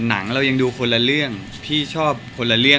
หนังเรายังดูคนละเรื่องพี่ชอบคนละเรื่อง